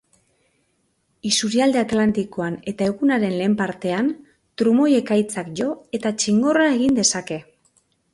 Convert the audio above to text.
Isurialde atlantikoan eta egunaren lehen partean, trumoi-ekaitzak jo eta txingorra egin dezake.